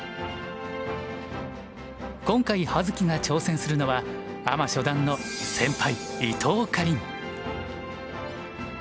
今回葉月が挑戦するのはアマ初段の先輩伊藤かりん。